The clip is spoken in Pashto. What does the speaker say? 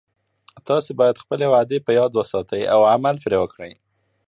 تاسې باید خپلې وعدې په یاد وساتئ او عمل پری وکړئ